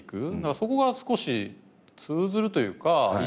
そこが少し通ずるというか意識する。